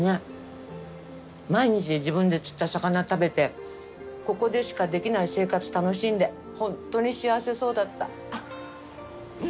毎日自分で釣った魚食べてここでしかできない生活楽しんでホントに幸せそうだった。